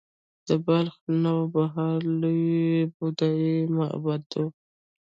د بلخ نوبهار لوی بودايي معبد و